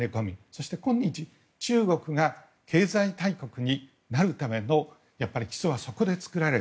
そして今日、中国が経済大国になるための基礎はそこで作られ。